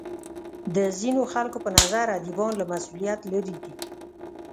د ځینو خلکو په نظر ادیبان له مسولیت لرې دي.